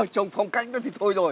trông phong cách đó thì thôi rồi